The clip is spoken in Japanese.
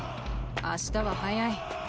明日は早い。